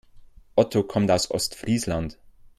Otto kommt aus Ostfriesland.